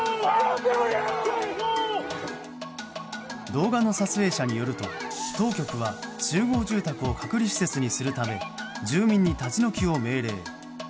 動画の撮影者によると当局は集合住宅を隔離施設にするため住民に立ち退きを命令。